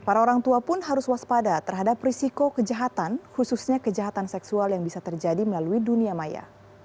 para orang tua pun harus waspada terhadap risiko kejahatan khususnya kejahatan seksual yang bisa terjadi melalui dunia maya